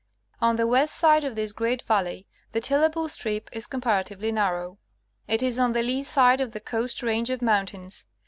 On the west side of this great valley the tillable strip is comparatively narrow. It is on the lee side of the coast range of mountains.